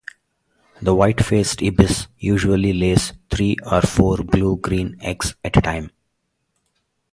The white-faced ibis usually lays three or four blue-green eggs at a time.